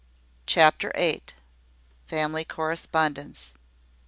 CHAPTER EIGHT. FAMILY CORRESPONDENCE.